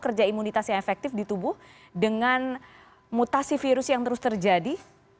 kerja imunitas yang efektif di tubuh dengan mutasi virus yang terus terjadi